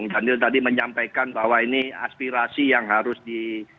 danil tadi menyampaikan bahwa ini aspirasi yang harus di